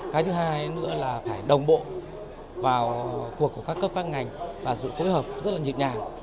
cái thứ hai nữa là phải đồng bộ vào cuộc của các cấp các ngành và sự phối hợp rất là nhịp nhàng